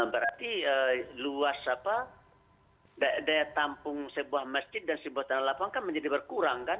berarti luas apa daya tampung sebuah masjid dan sebuah tanah lapangan menjadi berkurang kan